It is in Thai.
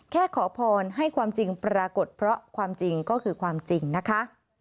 ขอพรให้ความจริงปรากฏเพราะความจริงก็คือความจริงนะคะ